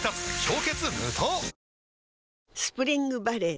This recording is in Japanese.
スプリングバレー